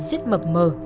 rất mập mờ